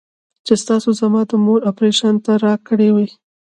چې تاسو زما د مور اپرېشن ته راکړې وې.